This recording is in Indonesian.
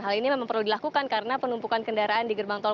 hal ini memang perlu dilakukan karena penumpukan kendaraan di gerbang tol